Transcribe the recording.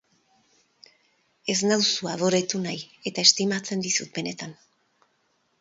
Ez nauzu adoretu nahi, eta estimatzen dizut, benetan.